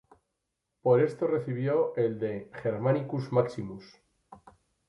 Por esto recibió el de "Germanicus maximus".